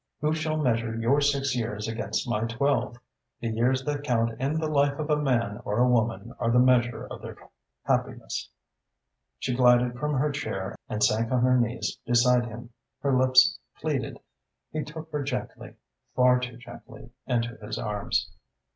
Who shall measure your six years against my twelve? The years that count in the life of a man or a woman are the measure of their happiness." She glided from her chair and sank on her knees beside him. Her lips pleaded. He took her gently, far too gently, into his arms.